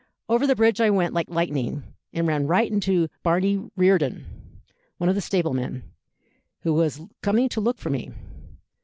Over the bridge I went like lightning, and ran right into Barney Reardon, one of the stable men, who was coming to look for me.